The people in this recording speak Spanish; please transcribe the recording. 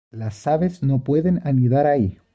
Las aves no pueden anidar ahí.